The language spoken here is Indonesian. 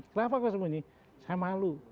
kenapa kok sembunyi saya malu